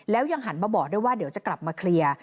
แล้วยังหันมาบอกด้วยว่าเดี๋ยวจะกลับมาเคลียร์